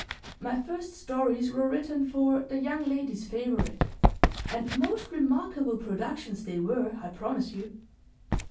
My first stories were written for "The Young Lady's Favourite," and most remarkable productions they were, I promise you.